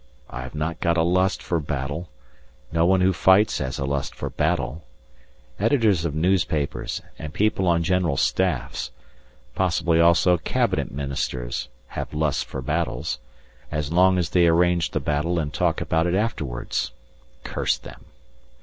I have not got a lust for battle: no one who fights has a lust for battle. Editors of newspapers and people on General Staffs, possibly also Cabinet Ministers, have lusts for battles, as long as they arrange the battle and talk about it afterwards curse them!